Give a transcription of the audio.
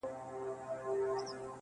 زور چي زورور سي، عقل مرور سي.